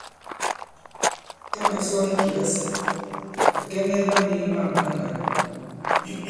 Tǎ ɓa sɔ i kìlasì, ɓàkɛŋɛ ɓa nīgī mâm ma ŋgǎn.